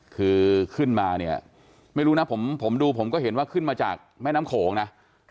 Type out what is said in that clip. คือขึ้นมาเนี่ยไม่รู้นะผมดูผมก็เห็นว่าขึ้นมาจากแม่น้ำโขงนะ